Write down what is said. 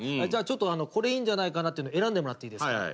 じゃあちょっとこれいいんじゃないかなっていうの選んでもらっていいですか。